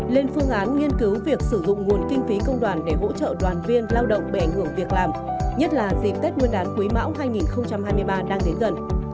lên phương án nghiên cứu việc sử dụng nguồn kinh phí công đoàn để hỗ trợ đoàn viên lao động bị ảnh hưởng việc làm nhất là dịp tết nguyên đán quý mão hai nghìn hai mươi ba đang đến gần